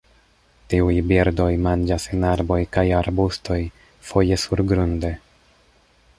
Tiuj birdoj manĝas en arboj kaj arbustoj, foje surgrunde.